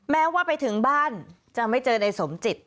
แม้ว่าไปถึงบ้านจะไม่เจอในสมจิต